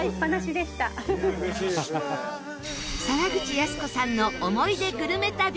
沢口靖子さんの思い出グルメ旅